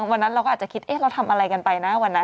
วันนั้นเราก็อาจจะคิดเราทำอะไรกันไปนะวันนั้น